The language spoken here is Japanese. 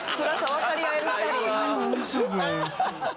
わかり合える２人。